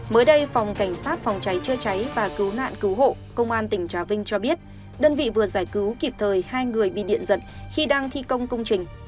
mới đây phòng cảnh sát phòng cháy chữa cháy và cứu nạn cứu hộ công an tỉnh trà vinh cho biết đơn vị vừa giải cứu kịp thời hai người bị điện giật khi đang thi công công trình